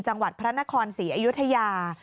จังหวัดพระนครศรีอยุธยา